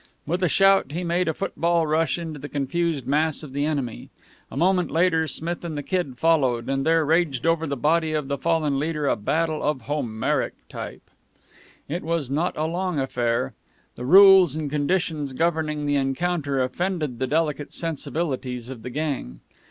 With a shout, he made a football rush into the confused mass of the enemy. A moment later Smith and the Kid followed, and there raged over the body of the fallen leader a battle of Homeric type. It was not a long affair. The rules and conditions governing the encounter offended the delicate sensibilities of the gang.